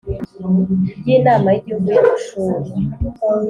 ry Inama y Igihugu y Amashuri